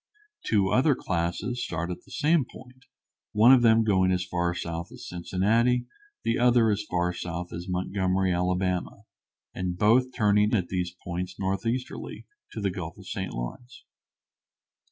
Two other classes start at the same point, one of them going as far south as Cincinnati, and the other as far south as Montgomery, Ala., and both turning at these points northeasterly to the Gulf of St. Lawrence.